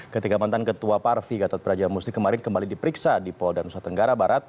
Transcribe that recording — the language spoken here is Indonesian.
ketiga mantan ketua parvi gatot brajamusti kemarin kembali diperiksa di polda nusa tenggara barat